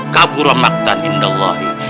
qaburun maktan inda allahi